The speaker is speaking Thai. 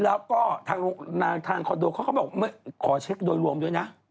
แล้วก็ทางคอนโดเขาก็บอกขอเช็คโดยรวมด้วยนะ